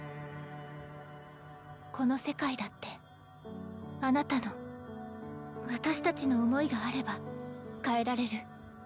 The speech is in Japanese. この世界だってあなたの私たちの思いがあれば変えられる。